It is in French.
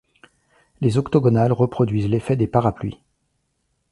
Les octogonales reproduisent l'effet des parapluies.